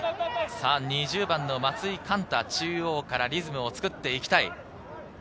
２０番・松井貫太、中央からリズムを作っていきたい。